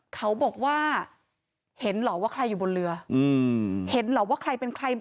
เขาบอกว่าเห็นเหรอว่าใครอยู่บนเรืออืมเห็นเหรอว่าใครเป็นใคร